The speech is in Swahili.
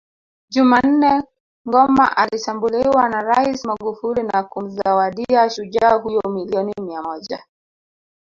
Jumannne Ngoma alitambuliwa na Rais Magufuli na kumzawadia shujaa huyo milioni mia Moja